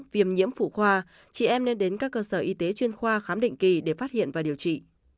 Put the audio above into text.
viêm nhiễm phụ khoa chị em nên đến các cơ sở y tế chuyên khoa khám định kỳ để phát hiện và điều trị